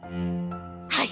はい！！